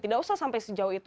tidak usah sampai sejauh itu